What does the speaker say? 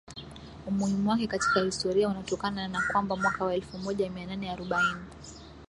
Umuhimu wake katika historia unatokana na kwamba mwaka wa elfu moja mia nane arobaini